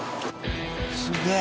すげえ。